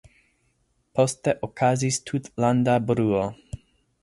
Poste okazis tutlanda bruo.